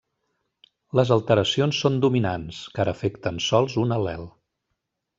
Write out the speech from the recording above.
Les alteracions són dominants, car afecten sols un al·lel.